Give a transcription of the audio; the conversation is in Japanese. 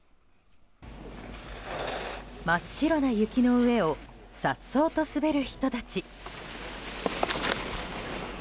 真っ白な雪の上をさっそうと滑る人たち。